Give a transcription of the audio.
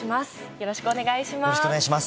よろしくお願いします。